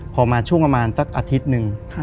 พอมาช่วงประมาณสักอาทิตย์หนึ่ง